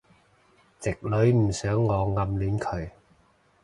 直女唔想我暗戀佢